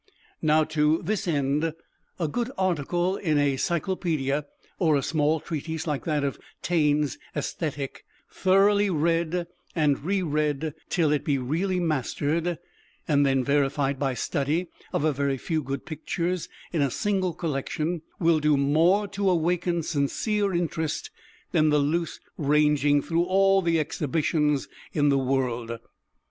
Now to this end a good article in a cyclopædia, or a small treatise like that of TAINE'S "Æsthetic" thoroughly read and re read, till it be really mastered, and then verified by study of a very few good pictures in a single collection, will do more to awaken sincere interest than the loose ranging through all the exhibitions in the world.